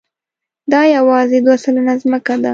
دا یواځې دوه سلنه ځمکه ده.